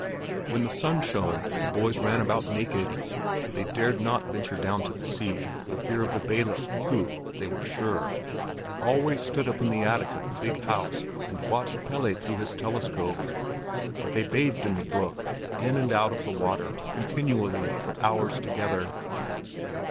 When the sun shone the boys ran about naked. They dared not venture down to the sea for fear of the bailiff, who, they were sure, always stood up in the attic of the big house, and watched Pelle through his telescope; but they bathed in the brook—in and out of the water continually for hours together.